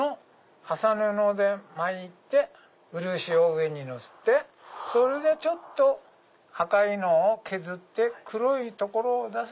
麻布で巻いて漆を上にのせてそれでちょっと赤いのを削って黒い所を出す。